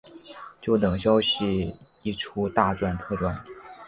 就等消息一出大赚特赚